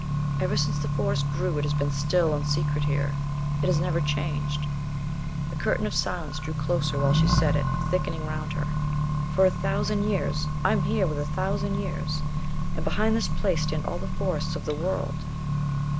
"Ever since the Forest grew it has been still and secret here. It has never changed." The curtain of silence drew closer while she said it, thickening round her. "For a thousand years I'm here with a thousand years. And behind this place stand all the forests of the world!"